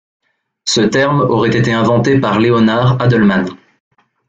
Ce terme aurait été inventé par Leonard Adleman.